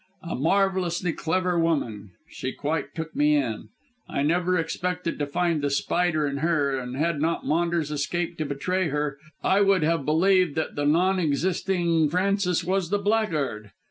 A marvellously clever woman: she quite took me in. I never expected to find The Spider in her, and had not Maunders escaped to betray her I would have believed that the non existing Francis was the blackguard.